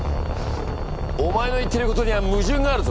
お前の言ってることには矛盾があるぞ。